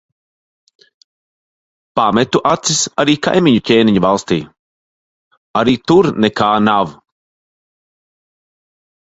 Pametu acis arī kaimiņu ķēniņa valstī. Arī tur nekā nav.